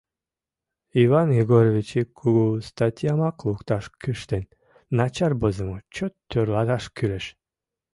Иван Егорович ик кугу статьямак лукташ кӱштен — начар возымо, чот тӧрлаташ кӱлеш.